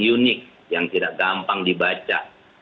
unik yang tidak gampang dibaca